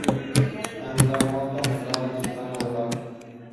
The region features extensive and naturally preserved deciduous and conifer forests.